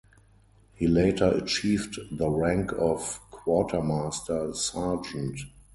He later achieved the rank of Quartermaster Sergeant.